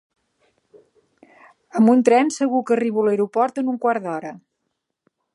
Amb un tren segur que arribo a l'aeroport en un quart d'hora.